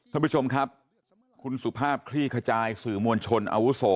ท่านผู้ชมครับคุณสุภาพคลี่ขจายสื่อมวลชนอาวุโส